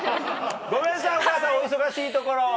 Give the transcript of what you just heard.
ごめんなさいお母さんお忙しいところ。